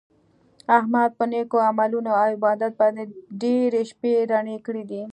احمد په نېکو عملونو او عبادت باندې ډېرې شپې رڼې کړي دي.